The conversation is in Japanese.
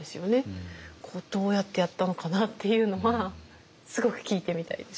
どうやってやったのかなっていうのはすごく聞いてみたいです。